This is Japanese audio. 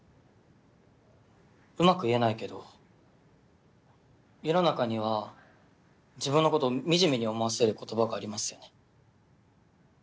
うまく言えないけど世の中には自分のことをみじめに思わせる言葉がありますよね。